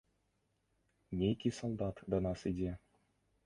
Нейкі салдат да нас ідзе.